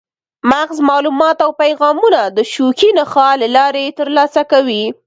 مغز معلومات او پیغامونه د شوکي نخاع له لارې ترلاسه کوي.